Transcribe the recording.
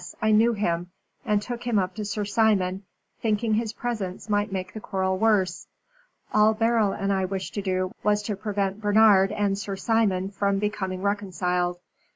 I knew him, and took him up to Sir Simon, thinking his presence might make the quarrel worse. All Beryl and I wished to do was to prevent Bernard and Sir Simon from becoming reconciled.